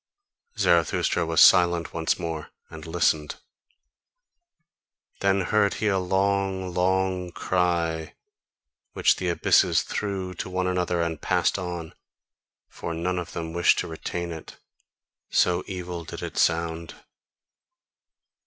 Zarathustra was silent once more and listened: then heard he a long, long cry, which the abysses threw to one another and passed on; for none of them wished to retain it: so evil did it sound.